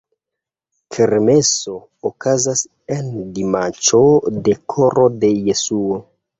Kermeso okazas en dimanĉo de Koro de Jesuo.